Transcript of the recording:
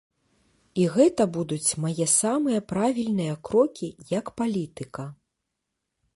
І гэта будуць мае самыя правільныя крокі як палітыка.